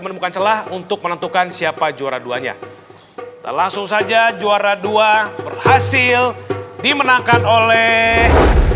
menemukan celah untuk menentukan siapa juara duanya langsung saja juara dua berhasil dimenangkan oleh